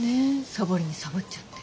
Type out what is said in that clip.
サボりにサボっちゃって。